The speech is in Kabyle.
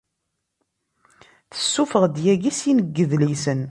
Tessuffeɣ-d yagi sin n yedlisen.